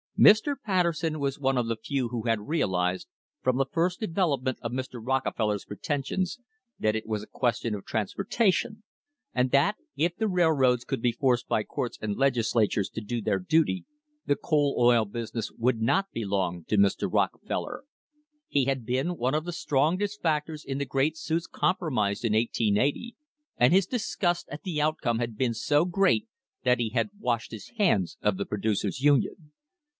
Mr. Patter son was one of the few who had realised, from the first devel opment of Mr. Rockefeller's pretensions, that it was a question of transportation, and that, if the railroads could be forced by courts and legislatures to do their duty, the coal oil business would not belong to Mr. Rockefeller. He had been one of the strongest factors in the great suits compromised in 1880, and his disgust at the outcome had been so great that he had washed his hands of the Producers' Union.